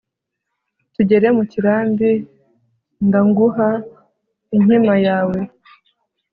tugere mu kirambi ndnguha inkima yawe